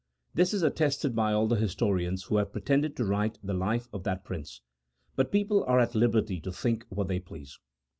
This is attested by all the historians who have pretended to write the Life of that Prince. But people are at liberty to think what they please."